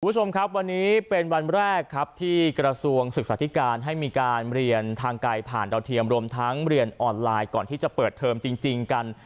คุณผู้ชมครับวันนี้เป็นวันแรกครับที่กระทรวงศึกษาธิการให้มีการเรียนทางไกลผ่านดาวเทียมรวมทั้งเรียนออนไลน์ก่อนที่จะเปิดเทอมจริงกัน